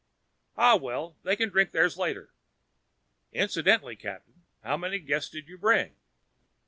Ah well, they can drink theirs later. Incidentally, Captain, how many Guests did you bring?